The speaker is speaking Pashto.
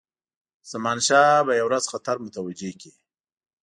زمانشاه به یو ورځ خطر متوجه کړي.